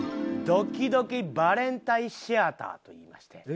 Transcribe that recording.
ドキドキバレンタインシアターといいまして。